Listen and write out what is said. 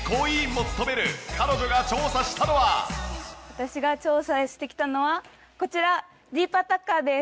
私が調査してきたのはこちらディープアタッカーです。